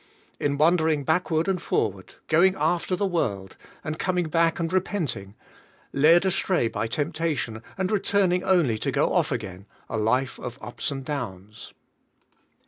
In wandering backward and forward; going after the world, and coming back and repenting; led astray b}^ temptation, and returning only to go off again ;— a life of ups and downs.